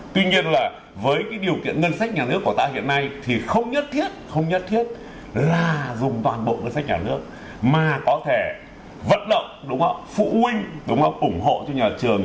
tuy nhiên là với cái điều kiện ngân sách nhà nước của ta hiện nay thì không nhất thiết là dùng toàn bộ ngân sách nhà nước mà có thể vận động phụ huynh ủng hộ cho nhà trường